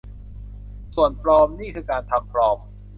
ส่วน ปลอม นี่คือการทำปลอม